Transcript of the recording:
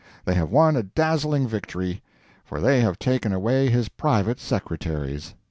They have won a dazzling victory. For they have taken away his private Secretaries!